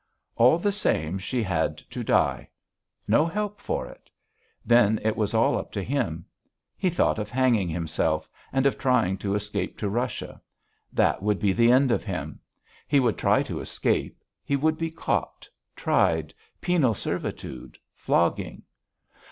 All the same she had to die. No help for it. Then it was all up with him. He thought of hanging himself, and of trying to escape to Russia. That would be the end of him. He would try to escape: he would be caught, tried, penal servitude, flogging."